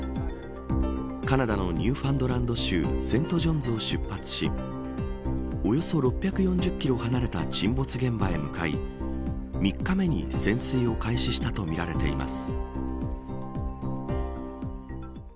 カナダのニューファンドランド州セント・ジョンズを出発しおよそ６４０キロ離れた沈没現場へ向かい３日目に潜水を開始したとみられています。